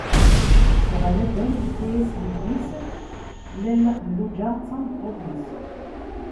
Dɣa Laban ifka-as yelli-s Lalla Xelluǧa d tameṭṭut-is.